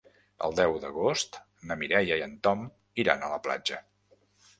El deu d'agost na Mireia i en Tom iran a la platja.